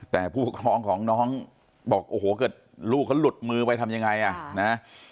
แต่ผู้ปกครองของน้องบอกโอ้โหเกิดลูกเขาหลุดมือไปทำยังไงอ่ะนะ